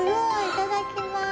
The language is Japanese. いただきます。